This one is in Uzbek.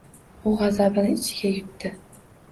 U g‘azabini ichiga yutdi.